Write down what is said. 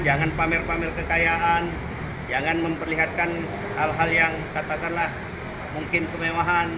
jangan pamer pamer kekayaan jangan memperlihatkan hal hal yang katakanlah mungkin kemewahan